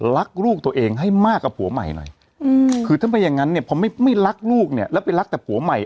รักลูกตัวเองให้มากกว่าผัวใหม่หน่อยคือถ้าไม่อย่างนั้นเนี่ยพอไม่ไม่รักลูกเนี่ยแล้วไปรักแต่ผัวใหม่